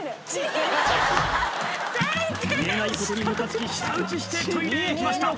見えないことにムカつき舌打ちしてトイレへ行きました